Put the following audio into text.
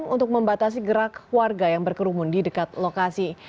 untuk membatasi gerak warga yang berkerumun di dekat lokasi